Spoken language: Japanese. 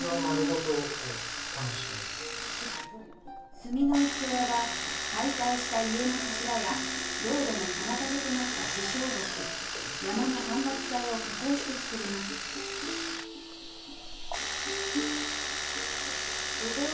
炭の器は解体した家の柱や道路の妨げとなった支障木山の間伐材を加工して作りますすごい！